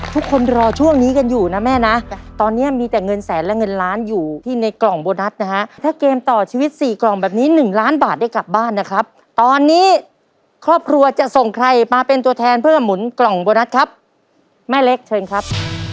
ทุกคนรอช่วงนี้กันอยู่นะแม่นะตอนนี้มีแต่เงินแสนและเงินล้านอยู่ที่ในกล่องโบนัสนะฮะถ้าเกมต่อชีวิตสี่กล่องแบบนี้หนึ่งล้านบาทได้กลับบ้านนะครับตอนนี้ครอบครัวจะส่งใครมาเป็นตัวแทนเพื่อหมุนกล่องโบนัสครับแม่เล็กเชิญครับ